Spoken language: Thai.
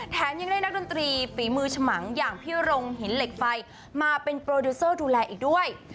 ยังได้นักดนตรีฝีมือฉมังอย่างพี่รงหินเหล็กไฟมาเป็นโปรดิวเซอร์ดูแลอีกด้วย